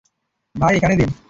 ভাই, এখানে দিন।